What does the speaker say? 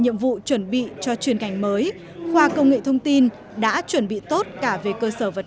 nhiệm vụ chuẩn bị cho chuyên ngành mới khoa công nghệ thông tin đã chuẩn bị tốt cả về cơ sở vật